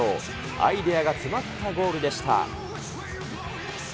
アイデアが詰まったゴールでした。